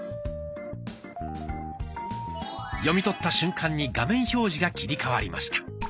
読み取った瞬間に画面表示が切り替わりました。